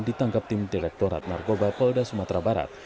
ditangkap tim direktorat narkoba polda sumatera barat